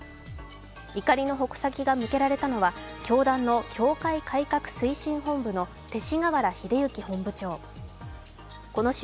怒りの矛先が向けられたのは教団の教会改革推進本部の勅使河原秀行本部長。